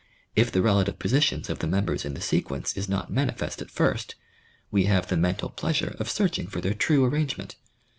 If the relative positions of the members in the sequence is not manifest at first, we have the mental pleasure of searching for their true arrangement.